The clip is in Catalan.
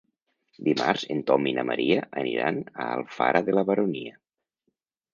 Dimarts en Tom i na Maria aniran a Alfara de la Baronia.